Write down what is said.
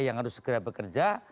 yang harus segera bekerja